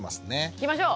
いきましょう。